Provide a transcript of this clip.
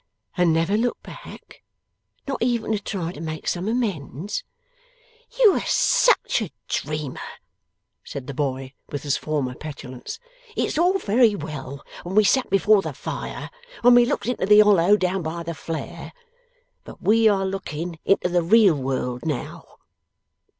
'And never look back? Not even to try to make some amends?' 'You are such a dreamer,' said the boy, with his former petulance. 'It was all very well when we sat before the fire when we looked into the hollow down by the flare but we are looking into the real world, now.